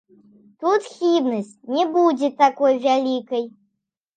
Тут хібнасць не будзе такой вялікай.